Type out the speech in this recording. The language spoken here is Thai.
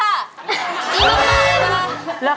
ดีมากเลยค่ะ